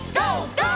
ＧＯ！